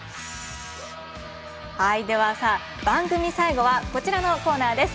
番組最後はこちらのコーナーです。